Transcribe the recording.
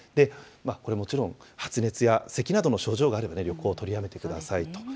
これもちろん、発熱やせきなどの症状がある場合は旅行を取りやめてくださいと。